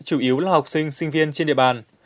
chủ yếu là học sinh sinh viên trên địa bàn